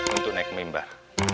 untuk naik ke mimbar